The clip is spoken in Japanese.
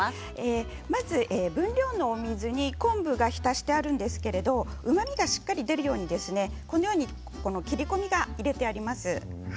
分量の水に昆布が浸してあるんですけれども、うまみがしっかり出るように切り込みが入れてあります。